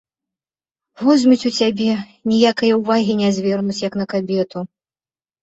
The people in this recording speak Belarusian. Возьмуць у цябе, ніякае ўвагі не звернуць як на кабету.